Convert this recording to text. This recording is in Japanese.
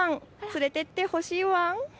連れてってほしいワン！